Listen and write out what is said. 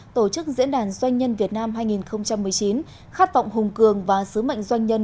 tổ chức diễn đàn doanh nhân việt nam hai nghìn một mươi chín khát vọng hùng cường và sứ mệnh doanh nhân